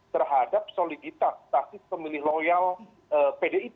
terhadap soliditas basis pemilih loyal pdip